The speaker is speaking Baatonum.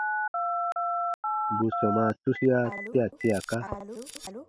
Bù sɔmaa tusia tia tiaka.